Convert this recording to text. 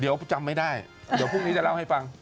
เดี๋ยวจำไม่ได้เดี๋ยวพรุ่งนี้จะเล่าให้ฟัง